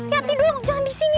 yati dong jangan disini